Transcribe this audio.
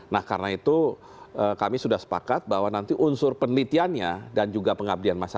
nah karena itu kami sudah sepakat bahwa nanti unsur penelitiannya dan juga pengabdian masyarakat